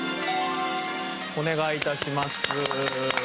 お願い致します。